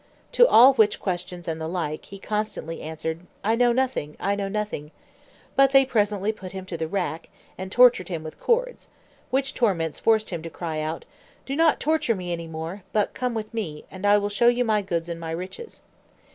To all which questions and the like, he constantly answered, "I know nothing, I know nothing:" but they presently put him to the rack, and tortured him with cords; which torments forced him to cry out, "Do not torture me any more, but come with me, and I will show you my goods and my riches."